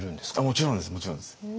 もちろんですもちろんです。